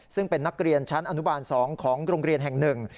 ซึ่งเป็นนักเรียนชั้นอนุบาล๒ของโรงเรียนแห่งหนึ่ง